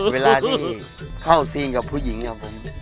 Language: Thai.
เวลาที่เข้าซีนกับผู้หญิงครับผม